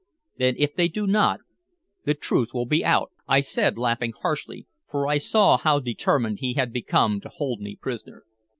"Then if they do not, the truth will be out," I said laughing harshly, for I saw how determined he had become to hold me prisoner.